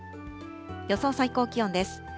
予想最高気温です。